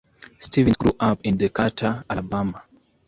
Stephens grew up in Decatur, Alabama.